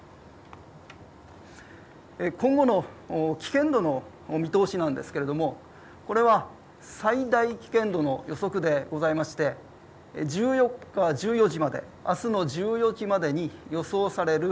今後の危険度の見通しなんですけれどもこれは最大危険度の予測でございまして１９日１４時までに予想される